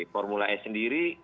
formula s sendiri